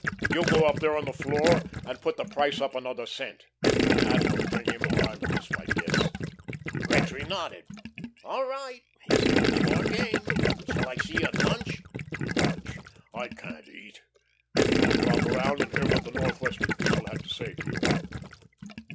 You go up there on the floor and put the price up another cent. That will bring him, or I'll miss my guess." Gretry nodded. "All right," he said, "it's your game. Shall I see you at lunch?" "Lunch! I can't eat. But I'll drop around and hear what the Northwestern people had to say to you."